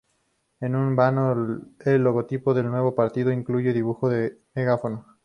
No en vano el logotipo del nuevo partido incluye el dibujo de un megáfono.